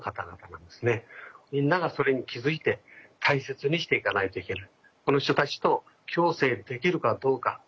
みんながそれに気付いて大切にしていかないといけない。